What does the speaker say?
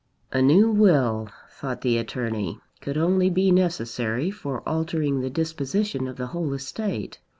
A new will, thought the attorney, could only be necessary for altering the disposition of the whole estate.